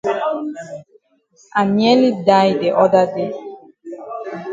I nearly die de oda day.